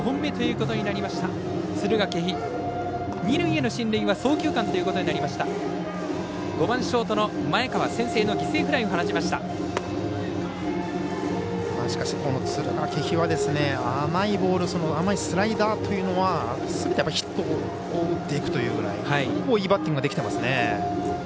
この敦賀気比は甘いボール甘いスライダーというのはすべてヒットを打っていくというぐらいいいバッティングができてますね。